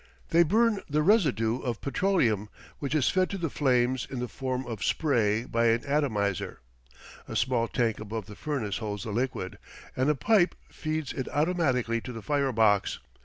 They burn the residue of petroleum, which is fed to the flames in the form of spray by an atomizer. A small tank above the furnace holds the liquid, and a pipe feeds it automatically to the fire box.